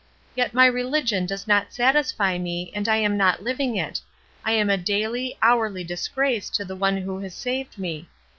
Yet my religion does not sat isfy me, and I am not Uving it; I am a daily, hourly disgrace to the One who has saved me.